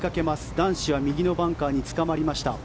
男子は右のバンカーにつかまりました。